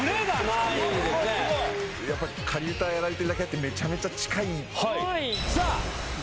やっぱり仮歌やられてるだけあってめちゃめちゃ近い。